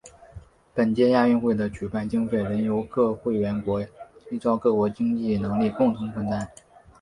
本届亚运会的举办经费仍由各会员国依照各自的经济能力共同分担。